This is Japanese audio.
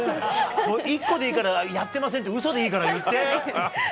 １個でいいからやってませんって嘘でいいから言って。